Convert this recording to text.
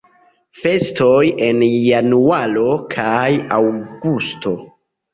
Festoj en januaro kaj aŭgusto.